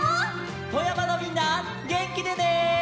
富山のみんなげんきでね！